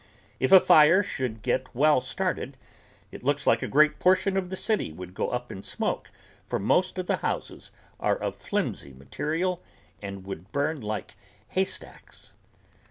If a fire should get well started it looks like a great portion of the city would go up in smoke for most of the houses are of flimsy material and would burn like haystacks.